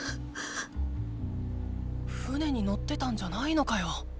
船に乗ってたんじゃないのかよ！